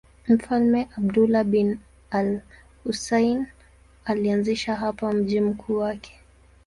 Mfalme Abdullah bin al-Husayn alianzisha hapa mji mkuu wake.